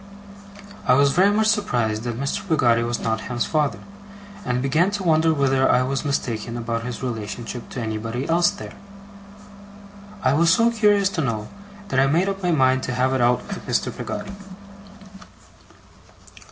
I was very much surprised that Mr. Peggotty was not Ham's father, and began to wonder whether I was mistaken about his relationship to anybody else there. I was so curious to know, that I made up my mind to have it out with Mr. Peggotty.